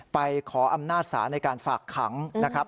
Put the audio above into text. ไปขออำนาจศาลในการฝากขังนะครับ